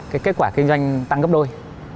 cái kết quả kinh doanh tăng gấp đôi